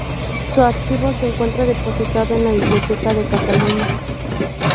Su archivo se encuentra depositado en la Biblioteca de Cataluña.